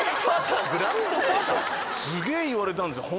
すげぇ言われたんですよ。